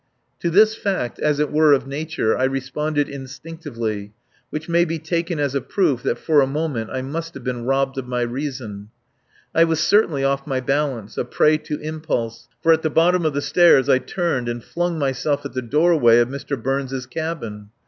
To this fact, as it were of nature, I responded instinctively; which may be taken as a proof that for a moment I must have been robbed of my reason. I was certainly off my balance, a prey to impulse, for at the bottom of the stairs I turned and flung myself at the doorway of Mr. Burns' cabin.